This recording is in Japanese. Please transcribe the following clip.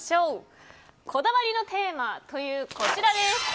こだわりのテーマというこちら。